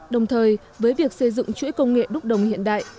đồng thời với việc xây dựng chuỗi công nghệ đúc đồng hiện đại